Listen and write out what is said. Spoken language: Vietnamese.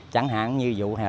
chẳng hạn như vụ hà thu này